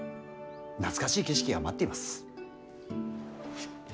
懐かしい景色が待っています。